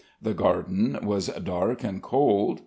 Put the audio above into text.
The garden was dark and cold.